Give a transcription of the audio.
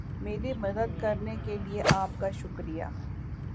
میری مدد کرنے کے لئے آپ کا شکریہ